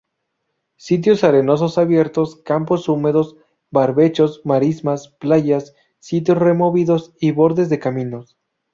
Sitios arenosos abiertos, campos húmedos, barbechos, marismas, playas, sitios removidos y bordes de caminos.